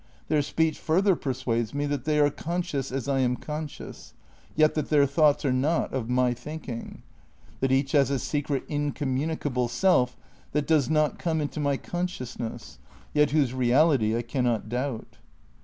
Their speech further persuades me that they are conscious as I am conscious, yet that their thoughts are not of my thinking; that each has a secret incommunicable self that does not come into my consciousness, yet whose reality I cannot doubt.